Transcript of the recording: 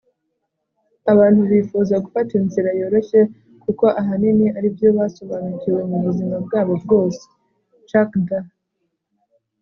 abantu bifuza gufata inzira yoroshye, kuko ahanini aribyo basobanukiwe mubuzima bwabo bwose. - chuck d